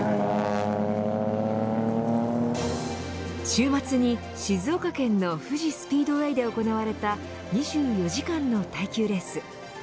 週末に静岡県の富士スピードウェイで行われた２４時間の耐久レース。